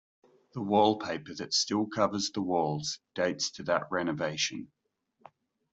The wallpaper that still covers the walls dates to that renovation.